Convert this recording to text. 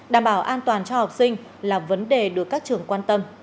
đảm bảo an toàn cho học sinh là vấn đề được các trường quan tâm